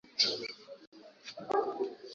pneumonia ni maambukizi yanayojitokeza kwenye mapafu